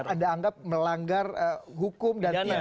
anda anggap melanggar hukum